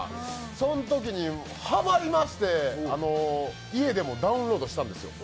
そのときにハマりまして家でもダウンロードしたんですよ。